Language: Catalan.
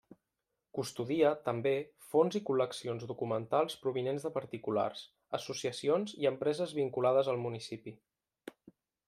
Custodia, també, fons i col·leccions documentals provinents de particulars, associacions i empreses vinculades al municipi.